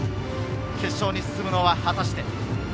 決勝に進むのは果たして？